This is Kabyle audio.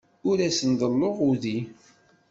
Ur asen-ḍelluɣ udi.